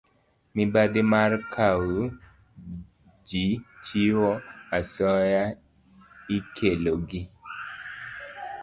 Mibadhi mar kawo gi chiwo asoya ikelo gi